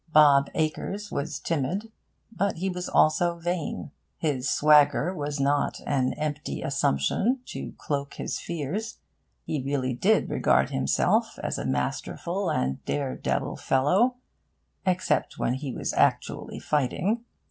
Bob Acres was timid, but he was also vain. His swagger was not an empty assumption to cloak his fears; he really did regard himself as a masterful and dare devil fellow, except when he was actually fighting.